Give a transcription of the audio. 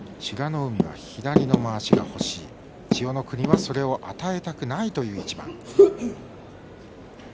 海は左のまわしが欲しい千代の国はそれを与えたくないという一番。